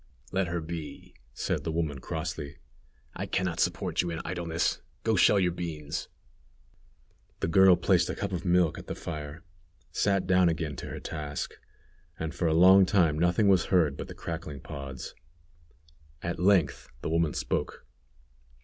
"Let her be," said the woman, crossly. "I can not support you in idleness. Go shell your beans." The girl placed a cup of milk at the fire, sat down again to her task, and, for a long time, nothing was heard but the crackling pods. At length the woman spoke.